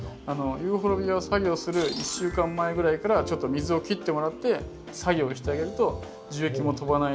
ユーフォルビアを作業する１週間前ぐらいからちょっと水を切ってもらって作業をしてあげると樹液も飛ばない